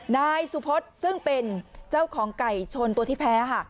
นายสุพศซึ่งเป็นเจ้าของไก่ชนตัวที่แพ้ค่ะ